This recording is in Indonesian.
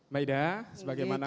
maida sebagaimana maida